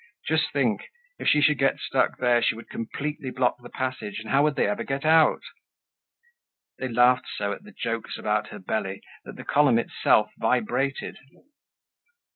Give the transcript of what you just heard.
Just think! If she should get stuck there, she would completely block the passage, and how would they ever get out? They laughed so at the jokes about her belly that the column itself vibrated.